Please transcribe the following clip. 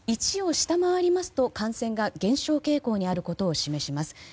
１を下回りますと感染が減少傾向にあることを示します。